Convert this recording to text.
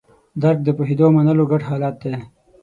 درک د پوهېدو او منلو ګډ حالت دی.